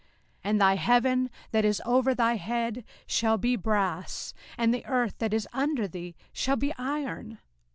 05:028:023 And thy heaven that is over thy head shall be brass, and the earth that is under thee shall be iron.